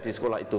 di sekolah itu